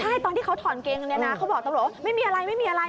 ใช่ตอนที่เขาถอดกางเกงเขาบอกตำรวจไม่มีอะไรไม่มีอะไร